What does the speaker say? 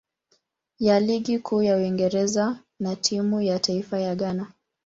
ya Ligi Kuu ya Uingereza na timu ya taifa ya Ghana.